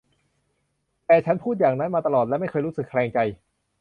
แต่ฉันพูดอย่างนั้นมาตลอดและไม่เคยรู้สึกแคลงใจ